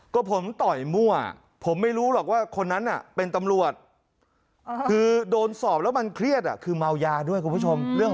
ก็ผมต่อยมั่วผมไม่รู้หรอกว่าคนนั้นเป็นตำรวจ